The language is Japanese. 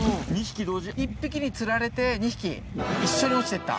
１匹につられて２匹一緒に落ちてった。